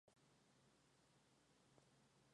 Su buena vista le permite calcular bien las distancias.